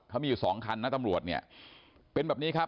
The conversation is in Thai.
เขามีอยู่สองคันนะตำรวจเนี่ยเป็นแบบนี้ครับ